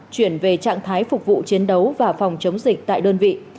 chuyển về trạng thái phục vụ chiến đấu và phòng chống dịch tại đơn vị